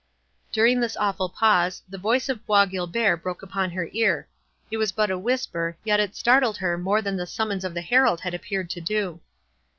During this awful pause, the voice of Bois Guilbert broke upon her ear—it was but a whisper, yet it startled her more than the summons of the herald had appeared to do.